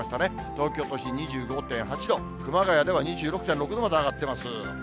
東京都心２５．８度、熊谷では２６．６度まで上がってます。